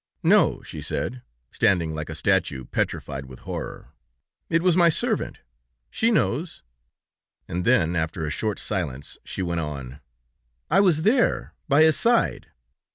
'No,' she said, standing like a statue petrified with horror. 'It was my servant... she knows.' And then, after a short silence, she went on: 'I was there... by his side.'